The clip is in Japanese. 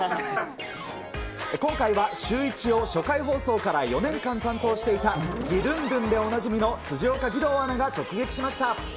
今回はシューイチを初回放送から４年間担当していた、ギドゥンドゥンでおなじみの辻岡義堂アナが直撃しました。